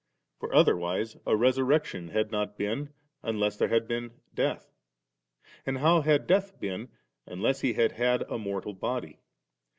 For otherwise a resurrection had not been, unless there had been death ; and how had death been, unless He had had a mortal body?